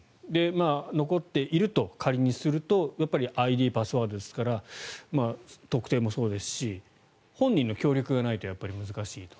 残っていると仮にするとＩＤ、パスワードですから特定もそうですし本人の協力がないと難しいと。